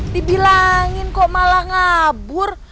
dibilangin kok malah ngabur